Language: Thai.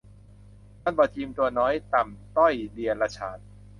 มันบ่เจียมตัวน้อย ต่ำต้อยเดียรฉาน